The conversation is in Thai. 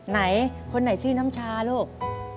ไหนคนไหนชื่อน้ำชาลูก